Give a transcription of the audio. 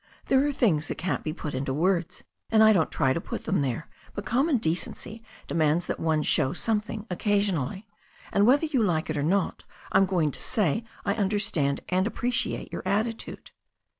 There are things that can't be put into words, and I don't try to put them there, but common decency demands that one show something occasionally. And whether you like it or not, I'm going to say I under stand and appreciate your attitude."